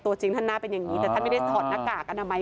ตัวจริงท่านหน้าเป็นอย่างนี้แต่ท่านไม่ได้ถอดหน้ากากกันอ่ะไหม